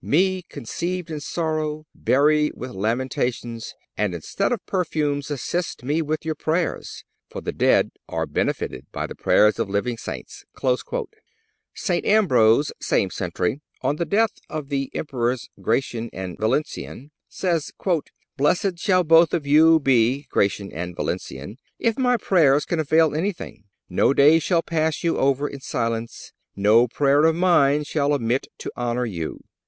Me, conceived in sorrows, bury with lamentations, and instead of perfumes assist me with your prayers; for the dead are benefited by the prayers of living Saints."(288) St. Ambrose (same century), on the death of the Emperors Gratian and Valentinian, says: "Blessed shall both of you be (Gratian and Valentinian), if my prayers can avail anything. No day shall pass you over in silence. No prayer of mine shall omit to honor you.